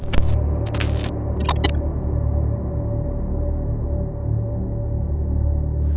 โปรดติดตามตอนต่อไป